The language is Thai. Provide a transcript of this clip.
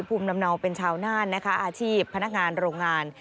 ภูมิลำเนาเป็นชาวน่านนะคะอาชีพพนักงานโรงงาน